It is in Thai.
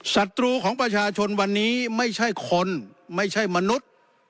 ศัตรูของประชาชนวันนี้ไม่ใช่คนไม่ใช่มนุษย์